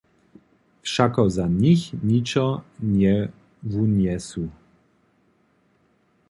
Wšako za nich ničo njewunjesu.